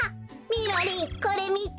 みろりんこれみて。